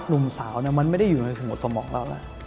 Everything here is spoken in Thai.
หนุ่มสาวมันไม่ได้อยู่ในสมุดสมองเราแล้ว